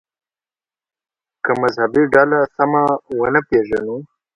که مذهبي ډله سمه ونه پېژنو.